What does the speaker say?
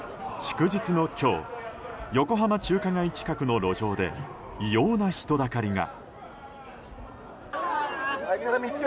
祝日の今日横浜中華街近くの路上で異様な人だかりが。